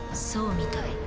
そうみたい。